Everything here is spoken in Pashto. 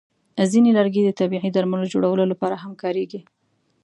ځینې لرګي د طبیعي درملو جوړولو لپاره هم کارېږي.